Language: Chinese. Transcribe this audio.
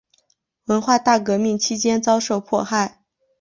文化大革命期间遭受迫害。